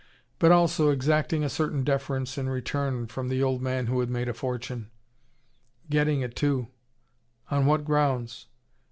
But also, exacting a certain deference in return, from the old man who had made a fortune. Getting it, too. On what grounds?